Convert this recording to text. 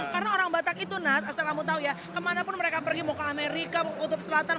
karena orang batak itu nat asal kamu tahu ya kemana pun mereka pergi mau ke amerika mau ke kutub selatan